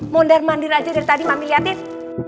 mondar mandir aja dari tadi mami lihatin